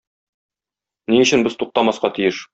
Ни өчен без туктамаска тиеш?